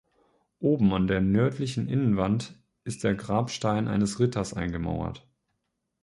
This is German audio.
Oben an der nördlichen Innenwand ist der Grabstein eines Ritters eingemauert.